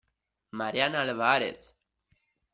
Marian Álvarez